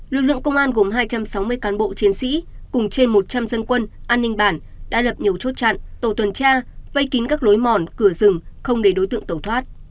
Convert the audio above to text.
lực lượng công an gồm hai trăm sáu mươi cán bộ chiến sĩ cùng trên một trăm linh dân quân an ninh bản đã lập nhiều chốt chặn tổ tuần tra vây kín các lối mòn cửa rừng không để đối tượng tẩu thoát